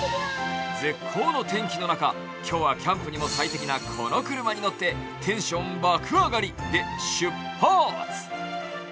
絶好の天気の中、キャンプにも最適なこの車に乗ってテンション爆上がりで出発。